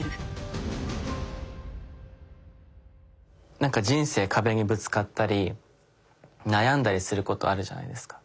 なんか人生壁にぶつかったり悩んだりすることあるじゃないですか。